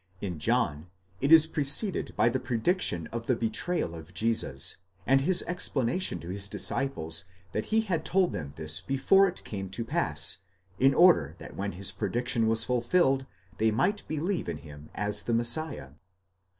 In John, it is preceded by the prediction of the betrayal of Jesus, and his explanation to his disciples that he had told them this before it came to pass, in order that when his prediction was fulfilled, they might believe in him as the Messiah.